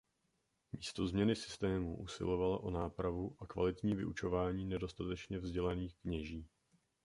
Místo změny systému usilovala o nápravu a kvalitní vyučování nedostatečně vzdělaných kněží.